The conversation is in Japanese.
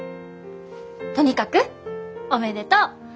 とにかくおめでとう！